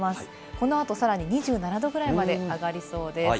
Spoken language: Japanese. この後、さらに２７度ぐらいまで上がりそうです。